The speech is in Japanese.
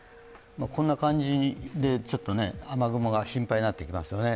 こんな感じで雨雲が心配になってきますよね。